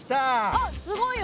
あっすごいよ。